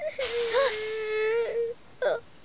あっ。